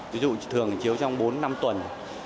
ví dụ thường chiếu trong bốn năm tuần